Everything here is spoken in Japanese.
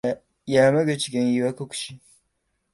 山口県岩国市